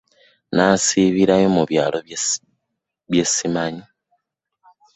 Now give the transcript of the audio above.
Nasibira mu byalo bye simanyi.